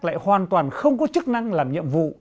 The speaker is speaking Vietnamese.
lại hoàn toàn không có chức năng làm nhiệm vụ